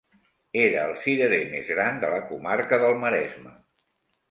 Era el cirerer més gran de la comarca del Maresme.